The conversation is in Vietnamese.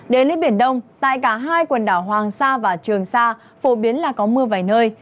đến với biển đông tại cả hai quần đảo hoàng sa và trường sa phổ biến là có mưa vài nơi